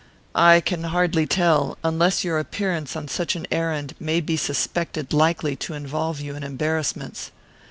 "I can hardly tell, unless your appearance on such an errand may be suspected likely to involve you in embarrassments."